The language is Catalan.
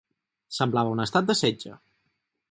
Semblava un estat de setge.